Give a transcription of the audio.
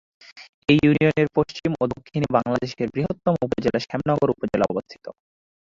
এই ইউনিয়নের পশ্চিম ও দক্ষিণে বাংলাদেশের বৃহত্তম উপজেলা শ্যামনগর উপজেলা অবস্থিত।